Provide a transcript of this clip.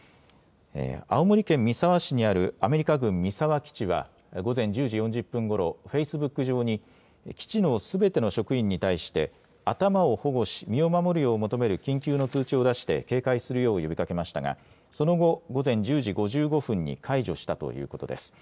青森県三沢市にあるアメリカ軍三沢基地は午前１０時４０分ごろフェイスブック上に基地のすべての職員に対して頭を保護し身を守るよう求める緊急の通知を出して警戒するよう呼びかけましたがその後午前１０時５５分に解除したということです。